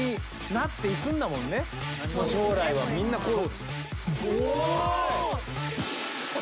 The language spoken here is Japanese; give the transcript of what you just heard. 将来はみんなこう。